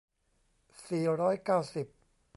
สี่ร้อยเก้าสิบ